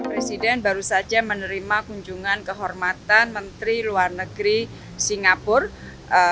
presiden baru saja menerima kunjungan kehormatan menteri luar negeri singapura